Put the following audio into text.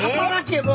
もう。